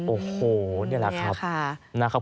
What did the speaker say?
โอ้โหนี่แหละครับ